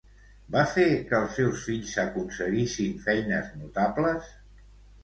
Va fer que els seus fills aconseguissin feines notables?